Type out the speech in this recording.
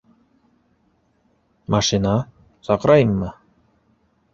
Машина... саҡырайыммы?